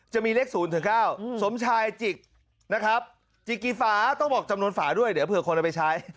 จะมีเลข๐๙สมชายจิกนะครับจิกกี่ฝาต้องบอกจำนวนฝาด้วยเดี๋ยวเผื่อคนเอาไปใช้